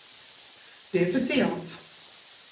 Det är för sent.